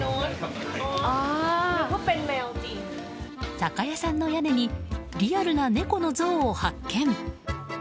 酒屋さんの屋根にリアルな猫の像を発見。